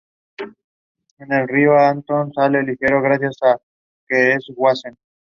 En el río Anton sale ileso gracias a que es un wesen.